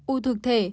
u thực thể